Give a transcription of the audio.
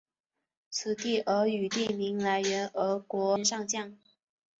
此地俄语地名来源俄国海军上将。